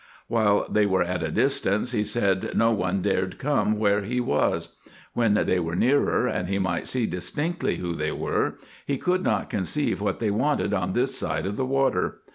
While they were at a distance, he said no one dared come where he was. When they were nearer, and he might see distinctly who they were, he could not conceive what they wanted on this side of the water.